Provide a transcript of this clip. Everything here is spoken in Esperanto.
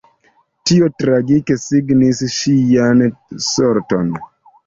Tio tragike signis ŝian sorton.